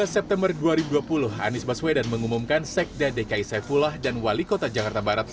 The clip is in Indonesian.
dua belas september dua ribu dua puluh anies baswedan mengumumkan sekda dki saifullah dan wali kota jakarta barat